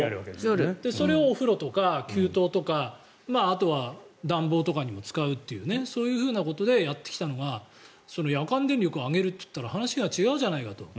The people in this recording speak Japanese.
それをお風呂とか給湯とかあとは暖房とかにも使うというそういうことでやってきたのが夜間電力を上げるといったら話が違うじゃないかと。